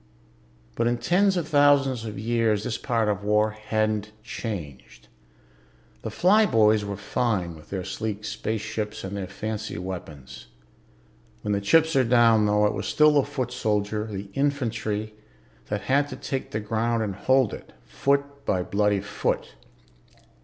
But in tens of thousands of years this part of war hadn't changed. The flyboys were fine with their sleek spaceships and their fancy weapons. When the chips are down, though, it was still the foot soldier, the infantry, that had to take the ground and hold it, foot by bloody foot.